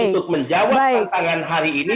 untuk menjawab tantangan hari ini